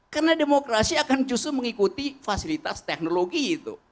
karena demokrasi akan justru mengikuti fasilitas teknologi itu